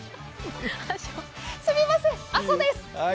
すみません、阿蘇です！